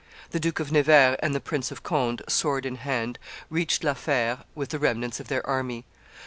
The Duke of Nevers and the Prince of Conde, sword in hand, reached La Fere with the remnants of their army.